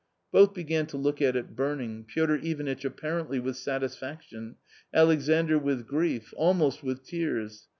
Both began to look at it burning, Piotr Ivanitch appar ently with satisfaction, Alexandr with grief, almost with tears.